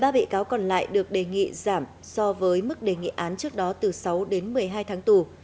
một mươi ba bị cáo còn lại được đề nghị giảm so với mức đề nghị án trước đó từ sáu đến một mươi hai tháng tù